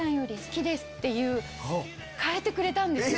替えてくれたんですよ。